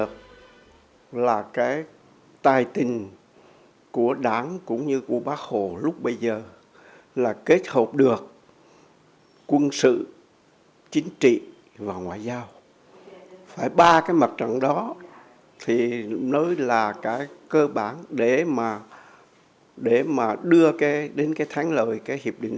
cả hà nội tinh bừng hân hoan trong niềm vui giải phóng tự hào về sức mạnh đoàn kết toàn dân tộc trong kháng chiến